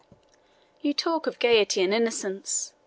You talk of Gaiety and Innocence!